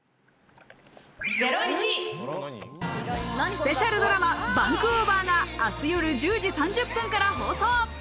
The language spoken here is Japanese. スペシャルドラマ『バンクオーバー！』が明日夜１０時３０分から放送。